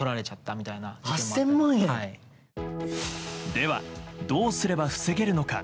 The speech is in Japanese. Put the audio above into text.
では、どうすれば防げるのか。